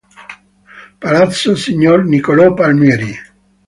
Palazzo signor Nicolò Palmieri.